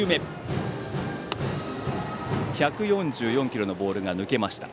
１４４キロのボールが抜けました。